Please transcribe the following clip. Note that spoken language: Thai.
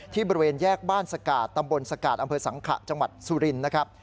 บริเวณแยกบ้านสกาดตำบลสกาดอำเภอสังขะจังหวัดสุรินทร์นะครับ